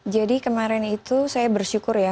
jadi kemarin itu saya bersyukur ya